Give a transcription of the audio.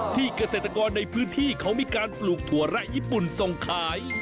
เกษตรกรในพื้นที่เขามีการปลูกถั่วแระญี่ปุ่นส่งขาย